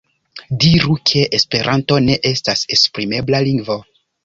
Diru ke esperanto ne estas esprimebla lingvo.